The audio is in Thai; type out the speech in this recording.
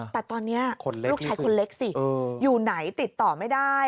แต่ตอนนี้ลูกชายคนเล็กสิอยู่ไหนติดต่อไม่ได้